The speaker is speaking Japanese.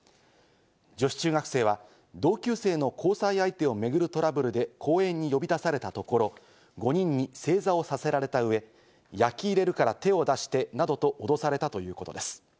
女子中学生は同級生の交際相手をめぐるトラブルで公園に呼び出されたところ、５人に正座をさせられた上、ヤキ入れるから、手を出してなどと脅されたということです。